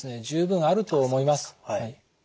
十分あると思います。